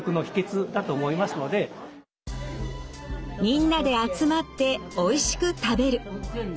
みんなで集まっておいしく食べる。